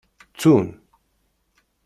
Ttun.